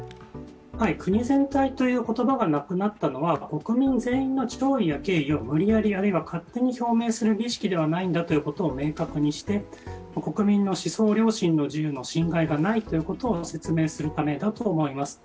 国全体という言葉がなくなったのは国民全員の弔意や敬意を無理やり、あるいは勝手に表明する儀式ではないんだということを明確にして、国民の思想・良心の自由の侵害がないということを説明するためだと思います。